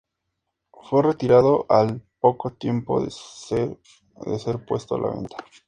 Fue retirado al poco tiempo de ser puesto a la venta.